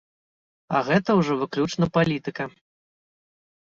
А гэта ўжо выключна палітыка!